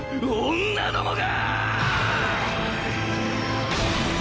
女どもが！